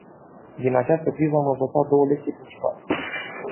Din această criză, am învățat două lecții principale.